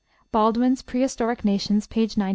(Baldwin's "Prehistoric Nations," p. 91.)